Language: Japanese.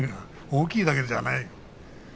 大きいだけではない。